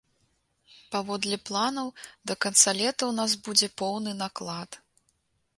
Паводле планаў, да канца лета у нас будзе поўны наклад.